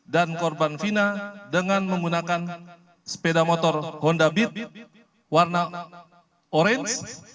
dan korban fina dengan menggunakan sepeda motor honda beat warna orange